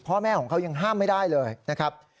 พ่อแม่ของเขายังห้ามไม่ได้เลยนะครับ